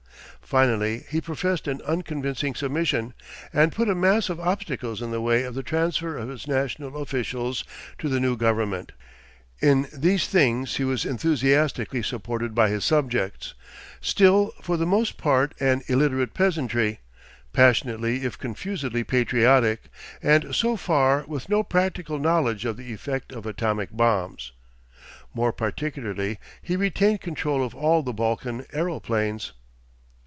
Finally he professed an unconvincing submission, and put a mass of obstacles in the way of the transfer of his national officials to the new government. In these things he was enthusiastically supported by his subjects, still for the most part an illiterate peasantry, passionately if confusedly patriotic, and so far with no practical knowledge of the effect of atomic bombs. More particularly he retained control of all the Balkan aeroplanes.